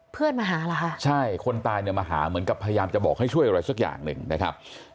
เพื่อนมาหาเหรอคะใช่คนตายเนี่ยมาหาเหมือนกับพยายามจะบอกให้ช่วยอะไรสักอย่างหนึ่งนะครับ